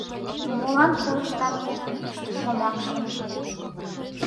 Молан колыштам еҥын йӱштӧ шомакшым